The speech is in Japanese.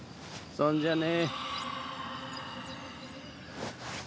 そんじゃね。